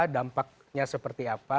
dampaknya seperti apa